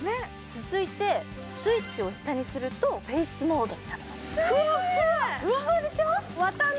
続いてスイッチを下にするとフェイスモード。